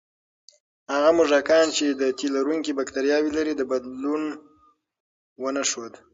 هغه موږکان چې د تیلرونکي بکتریاوې لري، بدلون ونه ښود.